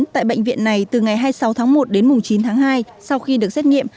tại bệnh viện này từ ngày hai mươi sáu tháng một đến chín tháng hai sau khi được xét nghiệm